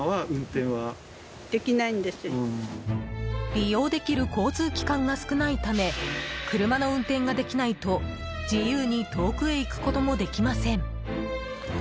利用できる交通機関が少ないため車の運転ができないと自由に遠くへ行くこともできません。